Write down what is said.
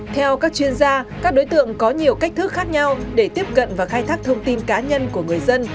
theo các chuyên gia các đối tượng có nhiều cách thức khác nhau để tiếp cận và khai thác thông tin cá nhân của người dân